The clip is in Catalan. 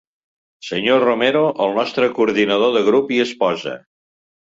Senyor Romero, el nostre coordinador de grup i esposa.